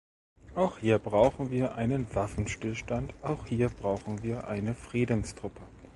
Auch hier brauchen wir einen Waffenstillstand, auch hier brauchen wir eine Friedenstruppe.